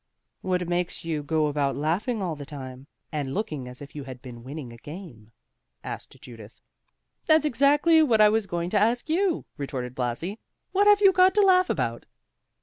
"What makes you go about laughing all the time, and looking as if you had been winning a game?" asked Judith. "That's exactly what I was going to ask you," retorted Blasi, "What have you got to laugh about?"